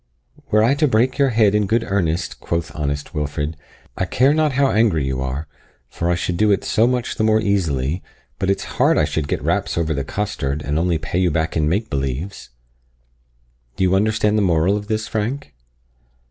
'Were I to break your head in good earnest,' quoth honest Wilfred, 'I care not how angry you are, for I should do it so much the more easily but it's hard I should get raps over the costard, and only pay you back in make believes' Do you understand the moral of this, Frank?"